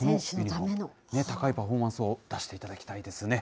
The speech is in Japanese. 高いパフォーマンスを出していただきたいですね。